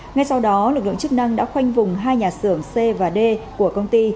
ngay sau đó lực lượng chức năng đã khoanh vùng hai nhà xưởng c và d của công ty